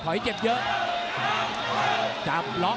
ต่อยเจ็บเยอะ